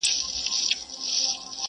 ستا په څېر مي هغه هم بلا د ځان دئ!!